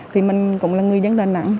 thì mình cũng là người dân đà nẵng